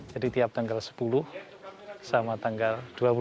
jadi tiap tanggal sepuluh sama tanggal dua puluh lima